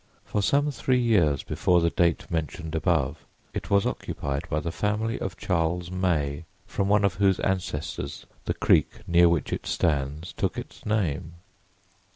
For some three years before the date mentioned above, it was occupied by the family of Charles May, from one of whose ancestors the creek near which it stands took its name.